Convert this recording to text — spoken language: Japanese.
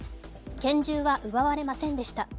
拳銃は奪われませんでした。